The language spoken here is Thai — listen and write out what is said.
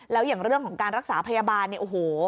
แล้วอย่างเรื่องของการรักษาพยาบาลเนี่ยโอ้โห